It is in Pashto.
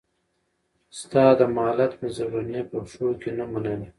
ستا د مالت مي زولنې په پښو کي نه منلې